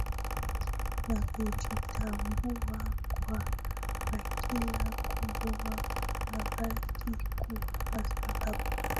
na kujitambua kwa kabila kubwa kunabaki kuwa sababu